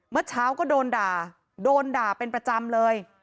เมื่อเช้าก็โดนด่าโดนด่าเป็นประจำเลย